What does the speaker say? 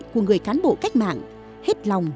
của người cán bộ cách mạng hết lòng